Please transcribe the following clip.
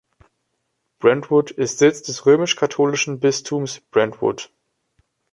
Brentwood ist Sitz des römisch-katholischen Bistums Brentwood.